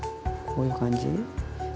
こういう感じ。